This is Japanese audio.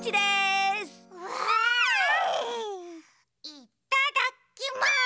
いっただきます！